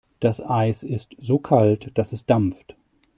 Das Eis ist so kalt, dass es dampft.